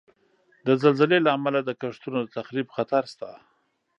د زلزلې له امله د کښتونو د تخریب خطر شته.